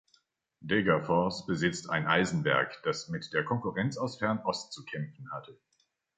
Degerfors besitzt ein Eisenwerk, das mit der Konkurrenz aus Fernost zu kämpfen hatte.